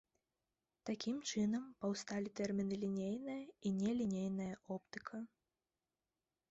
Такім чынам паўсталі тэрміны лінейная і нелінейная оптыка.